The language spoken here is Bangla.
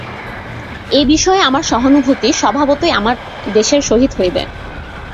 এ বিষয়ে আমার সহানুভূতি স্বভাবতই আমার দেশের সহিত হইবে।